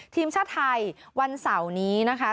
ทีมชาติไทยวันเสาร์นี้นะคะ